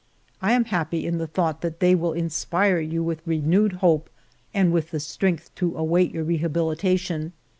^" I am happy in the thought that they will inspire you with renewed hope and with the strength to await your rehabilitation.